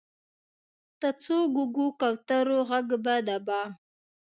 د څو ګوګو، کوترو ږغ به د بام،